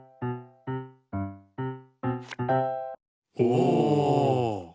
お！